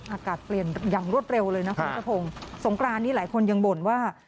อากาศเปลี่ยนอย่างรวดเร็วเลยนะครับสงครานี่หลายคนยังบ่นว่า